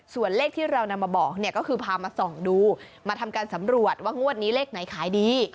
ส่วนเลขที่เรานำมาบอกเนี่ยก็คือพามาส่องดูมาทำการสำรวจว่างวดนี้เลขไหนขายดี